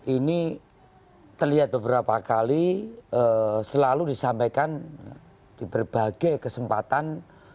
ini terlihat beberapa kali selalu disampaikan di berbagai kesempatan